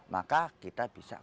maka kita melakukan bantuan